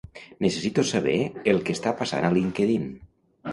Necessito saber el que està passant a LinkedIn.